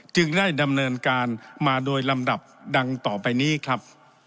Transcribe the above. จึงได้ดำเนินการมาโดยลำดับดังต่อไปนี้ครับ